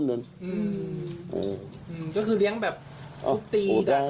ก็คือเรียงแบบลูกตี